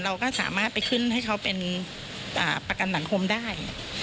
เราก็สามารถไปขึ้นให้เขาเป็นประกันสังคมได้